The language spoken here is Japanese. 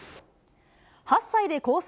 ８歳でコース